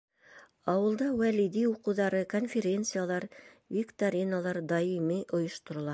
Ауылда Вәлиди уҡыуҙары, конференциялар, викториналар даими ойошторола.